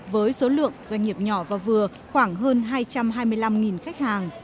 với số lượng doanh nghiệp nhỏ và vừa khoảng hơn hai trăm hai mươi năm khách hàng